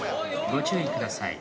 ご注意ください。